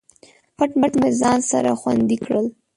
پټ مې ځان سره خوندي کړل